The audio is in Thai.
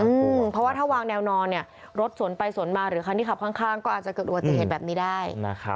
เพราะว่าถ้าวางแนวนอนเนี่ยรถสนไปสนมาหรือคันที่ขับข้างก็อาจจะเกิดรู้ว่าจะเห็นแบบนี้ได้